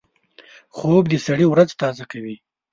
خوب د سړي ورځ تازه کوي